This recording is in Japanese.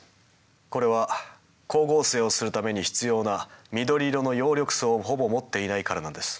これは光合成をするために必要な緑色の葉緑素をほぼ持っていないからなんです。